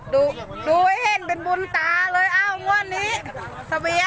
ดูดูให้เห็นเป็นบุญตาเลยอ้าวงวดนี้